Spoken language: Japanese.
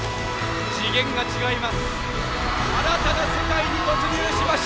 次元が違います。